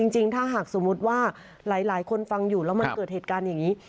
จริงถ้าหากสมมุติว่าหลายคนฟังอยู่แล้วมันเกิดเหตุการณ์อย่างนี้